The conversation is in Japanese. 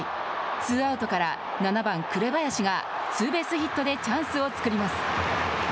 ツーアウトから７番、紅林がツーベースヒットでチャンスを作ります。